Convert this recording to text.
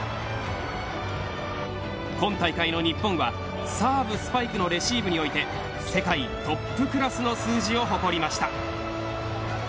今大会の日本はサーブ、スパイクのレシーブにおいて世界トップクラスの数字を誇りました。